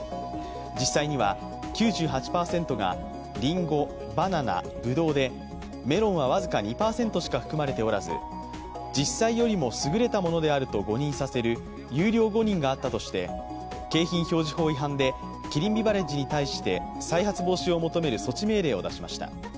実際には、９８％が、りんご、バナナ、ぶどうでメロンは僅か２％しか含まれておらず、実際よりもすぐれたものであると誤認させる優良誤認があったとして景品表示法違反で、キリンビバレッジに対して、再発防止を求める措置命令を出しました。